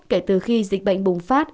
kể từ khi dịch bệnh bùng phát